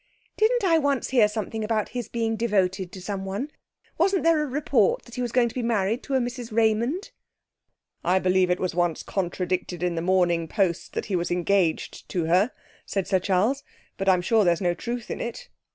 'Didn't I once hear something about his being devoted to someone? Wasn't there a report that he was going to be married to a Mrs. Raymond?' 'I believe it was once contradicted in the Morning Post that he was engaged to her,' said Sir Charles. 'But I'm sure there's no truth in it.